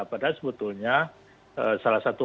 padahal sebetulnya salah satu